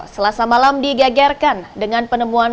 selasa malam digegerkan dengan penemuan